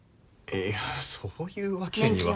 いやそういう訳には。